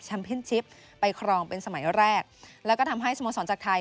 เป็นชิปไปครองเป็นสมัยแรกแล้วก็ทำให้สโมสรจากไทย